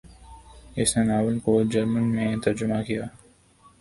اس نے ناول کو جرمن میں ترجمہ کیا۔